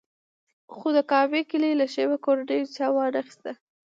خو د کعبې کیلي له شیبه کورنۍ چا وانخیسته.